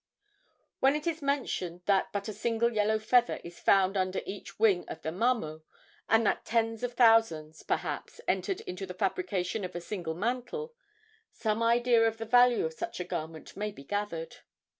When it is mentioned that but a single yellow feather is found under each wing of the mamo, and that tens of thousands, perhaps, entered into the fabrication of a single mantle, some idea of the value of such a garment may be gathered.